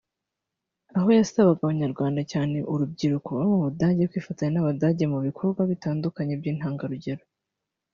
aho yasabaga Abanyarwanda cyane urubyiruko baba mu Budage kwifatanya n’Abadage mu bikorwa bitandukanye by’intangarugero